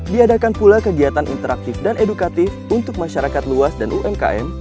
diadakan pula kegiatan interaktif dan edukatif untuk masyarakat luas dan umkm